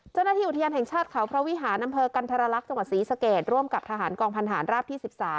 เจ้าหน้าที่อุทยานแห่งชาติเขาพระวิหารอำเภอกันธรรลักษณ์จังหวัดศรีสเกตร่วมกับทหารกองพันธานราบที่๑๓